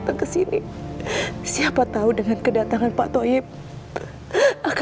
tidak ada kuasa dan upaya